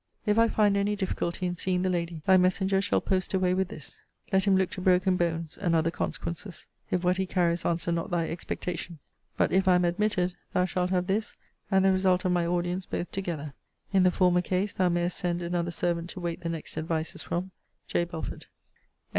If I find any difficulty in seeing the lady, thy messenger shall post away with this. Let him look to broken bones, and other consequences, if what he carries answer not thy expectation. But, if I am admitted, thou shalt have this and the result of my audience both together. In the former case, thou mayest send another servant to wait the next advices from J. BELFORD.